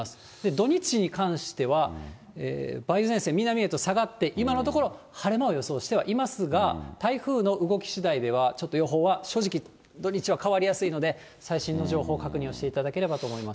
土日に関しては、梅雨前線、南へと下がって、今のところ、晴れ間を予想してはいますが、台風の動きしだいでは、ちょっと予報は正直、土日は変わりやすいので、最新の情報を確認をしていただければと思います。